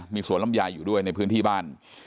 มีสวนลำไยอยู่ด้วยในพื้นที่บ้าน